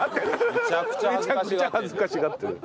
恥ずかしがってる！